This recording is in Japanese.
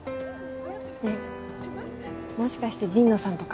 ねえもしかして神野さんとか。